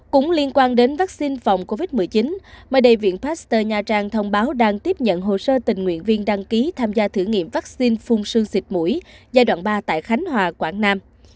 cũng liên quan đến vắc xin phòng covid một mươi chín mời đầy viện pasteur nha trang thông báo đang tiếp nhận hồ sơ tình nguyện viên đăng ký tham gia thử nghiệm vắc xin phun sương xịt mũi giai đoạn ba tại khánh hòa quảng nam